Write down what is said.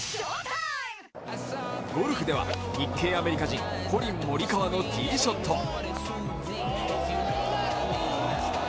ゴルフでは日系アメリカ人、コリン・モリカワのティーショット。